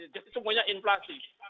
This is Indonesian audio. jadi semuanya inflasi